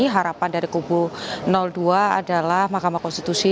harapan dari kubu dua adalah mahkamah konstitusi